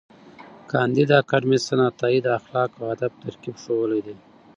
کانديد اکاډميسن عطایي د اخلاقو او ادب ترکیب ښوولی دی.